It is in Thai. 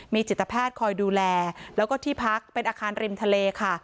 มีจิตแพทย์คอยดูแลแล้วก็ที่พักเป็นอาคารริมทะเลค่ะ